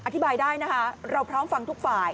อธิบายได้นะคะเราพร้อมฟังทุกฝ่าย